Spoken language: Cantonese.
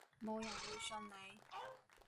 冇人會信你